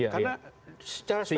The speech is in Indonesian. karena secara spesifik